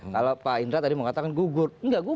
kalau pak indra tadi mengatakan gugur